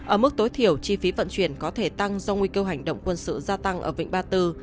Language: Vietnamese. ở mức tối thiểu chi phí vận chuyển có thể tăng do nguy cơ hành động quân sự gia tăng ở vịnh ba tư